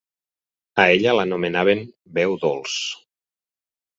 A ella l'anomenaven "veu dolç".